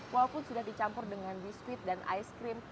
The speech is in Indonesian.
walaupun sudah dicampur dengan biskuit dan es krim